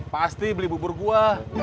pasti beli bubur gua